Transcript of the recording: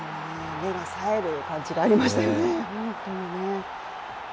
目がさえる感じがありましたよね。